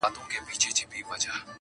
لس پنځلس ورځي وروسته وه جشنونه!!